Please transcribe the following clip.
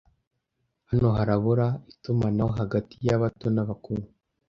Hano harabura itumanaho hagati yabato n'abakuru.